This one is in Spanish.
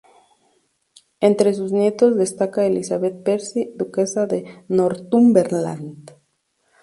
Entre sus nietos, destaca Elizabeth Percy, duquesa de Northumberland.